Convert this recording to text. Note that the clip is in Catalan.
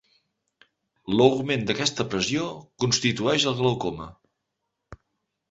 L'augment d'aquesta pressió constitueix el glaucoma.